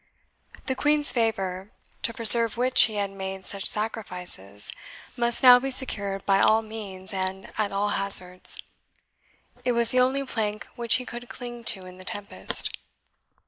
The Queen's favour, to preserve which he had made such sacrifices, must now be secured by all means and at all hazards; it was the only plank which he could cling to in the tempest.